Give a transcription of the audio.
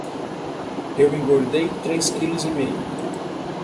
Eu engordei três quilos e meio.